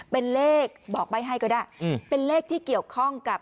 เป็นเลขบอกไม่ให้ก็ได้เป็นเลขที่เกี่ยวข้องกับ